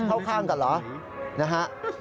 เข้าข้างกันเหรอนะฮะ